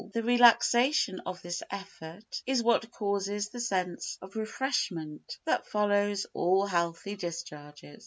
The relaxation of this effort is what causes the sense of refreshment that follows all healthy discharges.